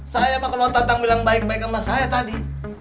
saya pak kalau tatang bilang baik baik sama saya tadi